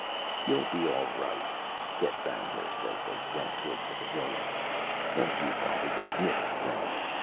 "YOU'LL be all right," said Banghurst, as they went towards the pavilion. "All you want is a nip of brandy.